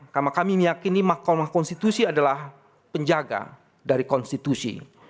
karena kami meyakini mahkamah konstitusi adalah penjaga dari konstitusi